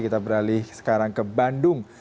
kita beralih sekarang ke bandung